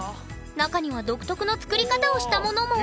中には独特の作り方をしたものも！